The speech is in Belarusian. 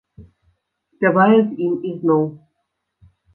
Спявае з ім ізноў.